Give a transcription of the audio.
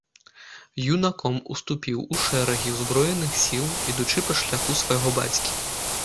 Юнаком уступіў у шэрагі ўзброеных сіл, ідучы па шляху свайго бацькі.